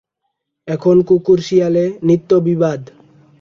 এখন কুকুর শিয়ালে নিত্য বিবাদ।